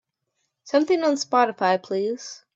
something on Spotify please